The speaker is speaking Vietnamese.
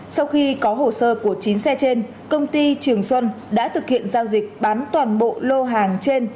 sau khi có hồ sơ của chín xe trên công ty trường xuân đã thực hiện giao dịch bán toàn bộ lô hàng trên